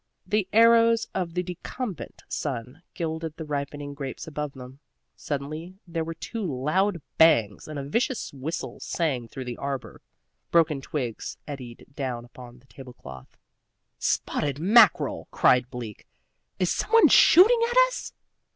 The arrows of the decumbent sun gilded the ripening grapes above them. Suddenly there were two loud bangs and a vicious whistle sang through the arbor. Broken twigs eddied down upon the table cloth. "Spotted mackerel!" cried Bleak. "Is some one shooting at us?"